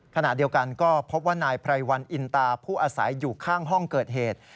ขณะเดียวกันก็พบว่านายไพรวันอินตาผู้อาศัยอยู่ข้างห้องเกิดเหตุ